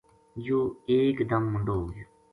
یوہ ایک دم مُندو ہو گیو